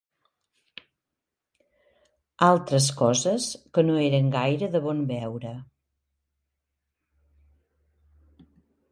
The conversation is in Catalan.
Altres coses que no eren gaire de bon veure